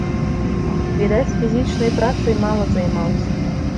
Відаць, фізічнай працай мала займаўся.